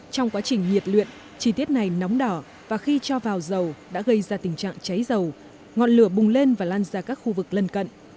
trong quá trình nhiệt luyện chi tiết này nóng đỏ và khi cho vào dầu đã gây ra tình trạng cháy dầu ngọn lửa bùng lên và lan ra các khu vực lân cận